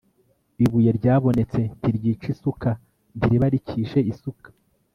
ibuye ryabonetse ntiryica isuka (ntiriba rikishe isuka)